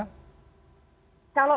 kalau dari saya pribadi